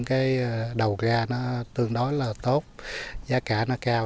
cái đầu ra nó tương đối là tốt giá cả nó cao